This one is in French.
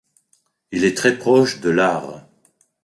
Il est très proche de l'are.